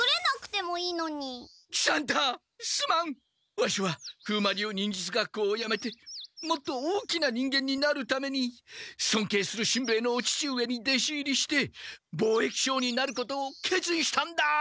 ワシは風魔流忍術学校をやめてもっと大きな人間になるためにそんけいするしんべヱのお父上に弟子入りして貿易商になることを決意したんだ！